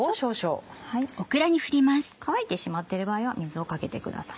乾いてしまってる場合は水をかけてください。